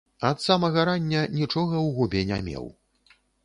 Ад самага рання нічога ў губе не меў.